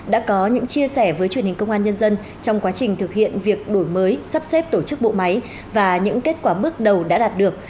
đã có những chia sẻ với truyền hình công an nhân dân trong quá trình thực hiện việc đổi mới sắp xếp tổ chức bộ máy và những kết quả bước đầu đã đạt được